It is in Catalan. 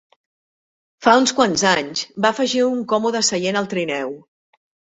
Fa uns quants anys, va afegir un còmode seient al trineu.